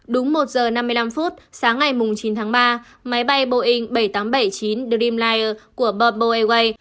đúng một giờ năm mươi năm phút sáng ngày chín tháng ba máy bay boeing bảy trăm tám mươi bảy chín dreamliner của bamboo airways